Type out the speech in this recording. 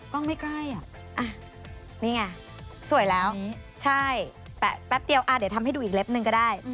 ไม่ใกล้อ่ะนี่ไงสวยแล้วใช่แปะแป๊บเดียวเดี๋ยวทำให้ดูอีกเล็บหนึ่งก็ได้